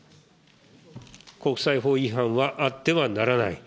国際法違反はあってはならない。